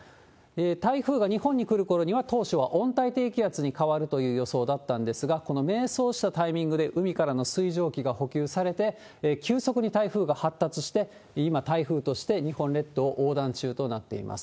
台風が日本に来るころには当初は温帯低気圧に変わるという予想だったんですが、この迷走したタイミングで海からの水蒸気が補給されて、急速に台風が発達して、今、台風として日本列島を横断中となっています。